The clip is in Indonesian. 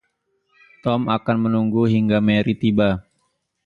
Tom akan menunggu hingga Mary tiba.